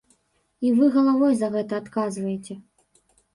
І вы галавой за гэта адказваеце.